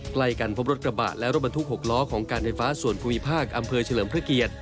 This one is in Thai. ใกล้กันพบรถกระบะและรถบรรทุก๖ล้อของการไฟฟ้าส่วนภูมิภาคอำเภอเฉลิมพระเกียรติ